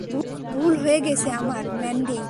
ভুল হয়ে গেছে আমার, ম্যান্ডি।